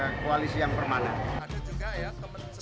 koalisi yang permanen